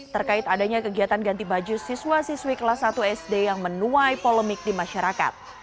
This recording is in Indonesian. terkait adanya kegiatan ganti baju siswa siswi kelas satu sd yang menuai polemik di masyarakat